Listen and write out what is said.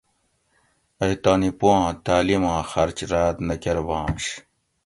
ائی تانی پوآں تعلیماں خرچ راۤت نہ کۤربانش